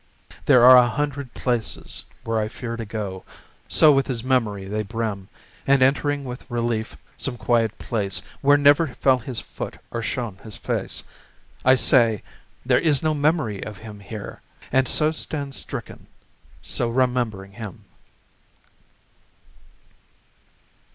There are a hundred places where I fear To go, so with his memory they brim! And entering with relief some quiet place Where never fell his foot or shone his face I say, "There is no memory of him here!" And so stand stricken, so remembering him!